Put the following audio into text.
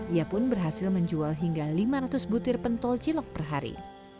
ia pun berhasil menjual hingga lima ratus butir pentol cilok per hari